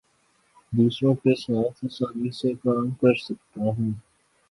دوسروں کے ساتھ آسانی سے کام کر سکتا ہوں